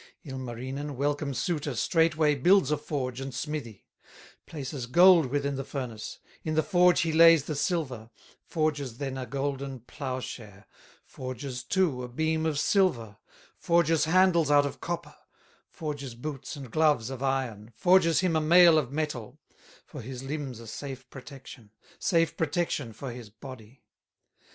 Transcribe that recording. Ilmarinen, welcome suitor, Straightway builds a forge and smithy, Places gold within the furnace, In the forge he lays the silver, Forges then a golden plowshare, Forges, too, a beam of silver, Forges handles out of copper, Forges boots and gloves of iron, Forges him a mail of metal, For his limbs a safe protection, Safe protection for his body.